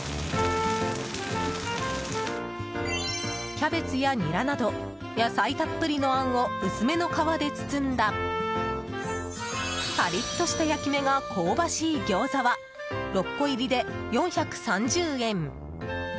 キャベツやニラなど野菜たっぷりのあんを薄めの皮で包んだパリッとした焼き目が香ばしい餃子は６個入りで４３０円。